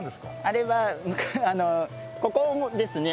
あれはあのここですね